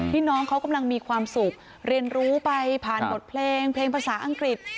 น้องเขากำลังมีความสุขเรียนรู้ไปผ่านบทเพลงเพลงภาษาอังกฤษ